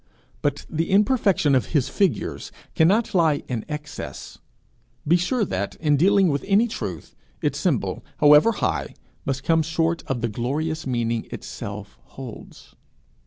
But the imperfection of his figures cannot lie in excess. Be sure that, in dealing with any truth, its symbol, however high, must come short of the glorious meaning itself holds.